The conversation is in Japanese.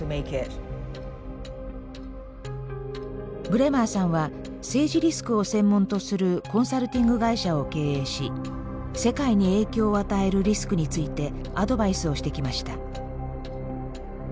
ブレマーさんは政治リスクを専門とするコンサルティング会社を経営し世界に影響を与えるリスクについてアドバイスをしてきました。